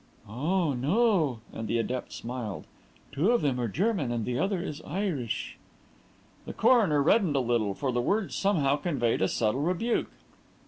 "Oh, no," and the adept smiled. "Two of them are German and the other is Irish." The coroner reddened a little, for the words somehow conveyed a subtle rebuke.